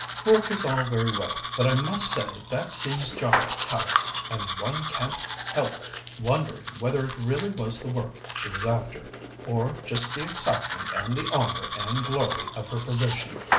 Work is all very well, but I must say that seems jolly callous, and one can't help wondering whether it really was the work she was after, or just the excitement and the honour and glory of her position.